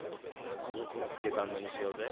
卵コロッケサンドにしようぜ。